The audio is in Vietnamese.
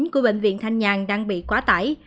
của bệnh viện thanh nhàng đang bị quá tải